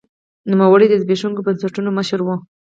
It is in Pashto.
نوموړي د زبېښونکو بنسټونو مشر و.